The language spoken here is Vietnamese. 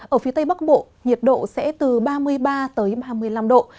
ở phía tây bắc bộ nhiệt độ sẽ từ ba mươi ba ba mươi năm độ